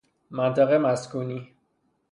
منطقه مسکونی